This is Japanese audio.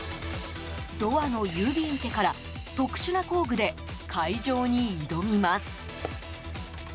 ドアの郵便受けから特殊な工具で開錠に挑みます。